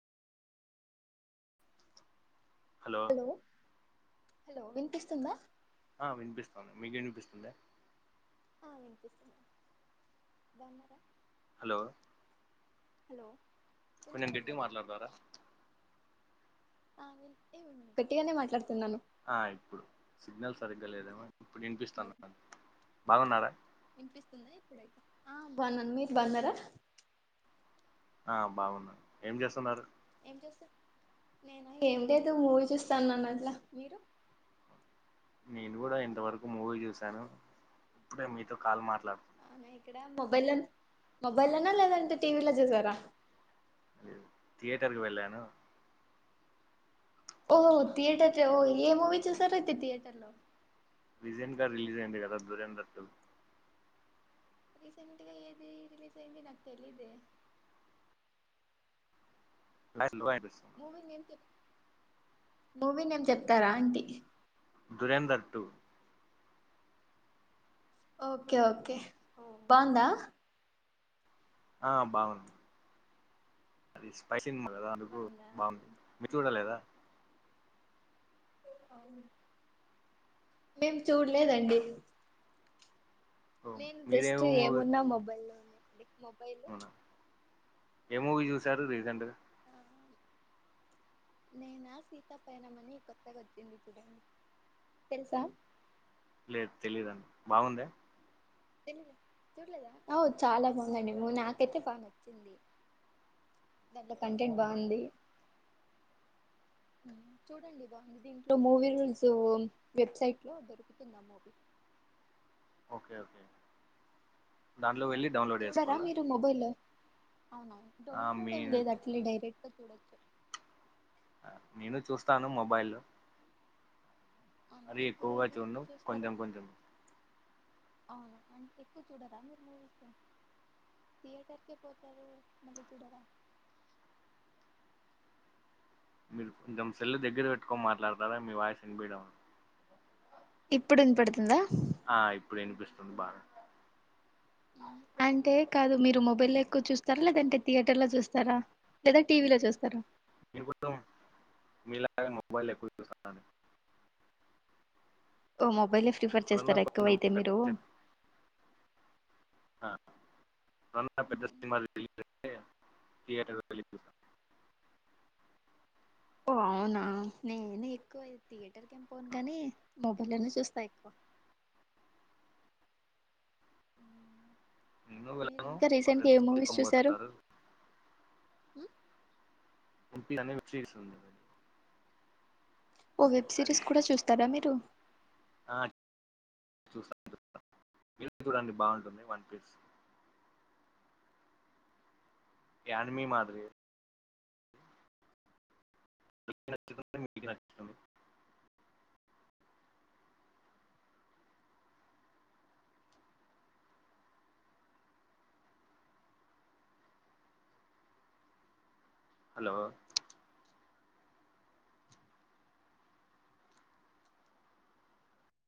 hello hello వినిపిస్తుందా ఆ వినిపిస్తాంది మీకి వినిపిస్తుందా ఆ వినిపిస్తు బాన్నార హలో హలో కొంచెం గట్టిగా వినపడట్లేదా మాట్లాడతారా ఆ గట్టిగానే మాట్లాడుతున్నాను ఆ ఇప్పుడు సిగ్నల్ సరిగ్గా లేదేమో ఇప్పుడు వినిపిస్తాను బాగున్నారా వినిపిస్తుందా ఇప్పుడైతే ఆ బాన్నా మీరు బాన్నారా ఆ బాగున్న ఏం చేస్తున్నారు నేను ఏం లేదు మూవీ చూస్తాన్నాను అట్లా మీరు నేను కూడా ఇంతవరకు మూవీ చూసాను ఇప్పుడే మీతో కాల్ మాట్ అవునా ఇక్కడ మొబైల్ మొబైల్నా లేదంటే టీవీలో చూసారా థియేటర్కి వెళ్ళాను ఓ థియేటర్ ఓ ఏ మూవీ చూశారయితే థియేటర్ లో విజన్ క రిలీజ్ అయింది కదా దురంధర్ టు రీసెంట్గా ఏది రిలీజ్ అయింది నాకి తెలీదే మూవీ ఏ మూవీ నేమ్ చెప్తారా అంటి దురంధర్ టు ఓకే ఓకే బాగుందా ఆ బాగుంది అది స్పై సినిమా కదా అందుకు బాగుందా బాగుంది మీరు చూడలేదా మేం చూడలేదండి ఓ నేను జస్ట్ మీరేమో మూవీ ఏమున్నా మొబై లోనే మొబైల్ అవునా ఏ మూవీ చూసారు రీసెంట్ నేనా సీతా పైనమని కొత్తగా వచ్చింది ఇప్పుడు తెలుసా లేదు తెలీదండి బాగుంద తెలిదు చూడలేదా ఔ చాలా బాగుందండి నాకైతే బాగా నచ్చింది దాంట్లో కంటెంట్ బాగుంది చూడండి బాగుంది దీంట్లో మూవీ రూల్స్ వెబ్సైట్ లో దొరుకుతుందా మూవీ కే ఓకే దాంట్లో వెళ్ళి డౌన్లోడ్ చూడరా చేసుకోవాలా మీరు మొబైల్ అవునా ఆ మీ డౌన్లోడ్ ఏం లేదు అట్లే డైరెక్ట్గా చూడచ్చు నేను చూస్తాను మొబైల్ అవునా అది ఎక్కువ ఎక్కువగా ఏది యూస్ చూడ్ను చేస్తారు కొంచెం కొంచెం అవునా అం ఎక్కువ చూడరా మీరు మూవీస్ థియేటర్కే పోతారు మళ్ళి చూడరా మీరు కొంచెం సెల్లు దెగ్గిర పెట్టుకోని మాట్లాడతారా మీ వాయిస్ ఇన్బీడం ఇప్పుడిన్పడుతుందా ఆ ఇప్పుడు ఇనిపిస్తుంది బాగా అంటే కాదు మీరు మొబైల్లో ఎక్కువ చూస్తారా లేదంటే థియేటర్ లో చూస్తారా లేదా టీ వీ లో చూస్తారా మీలాగ మొబైల్ ఎక్కువ చూసాను ఓ మొబైలే ఫ్రిఫర్ చేస్తారా కొంచెం ఎక్కువయితే పెద్ద మీరు సి- ఆ మొన్న ఆ పెద్ద సినిమా రిలీ థియేటర్ వెళ్లి చూసా ఓ అవునా నేను ఎక్కువ థియేటర్కి ఏం పోను ఆ, గాని మొబైలోనే చూస్తా క్ నేను మీరు వెళ్ళను ఇంక మా రీసెంట్గా ఏ ఫ్రెండ్స్ మూవీస్ తీసుకొని చూశారు పోతారు ఉ ఉంటుందనే చీసున్నదే ఓ వెబ్ సిరీస్ కూడా చూస్తారా మీరు ఆ చూశాం జూడండి బాగుంటుంది వన్ పీస్ యానిమి మాదిరి [inaudible] హలో